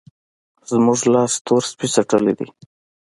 زموږ لاس تور سپي څټلی دی.